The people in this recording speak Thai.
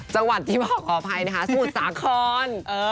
จังหวัดที่บอกขออภัยนะคะสมุทรสาคร